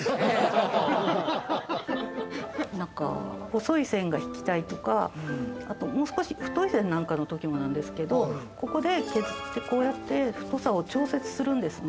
細い線が引きたいとか、もう少し太い線なんかの時もなんですけど、ここで削って、こうやって太さを調節するんですね。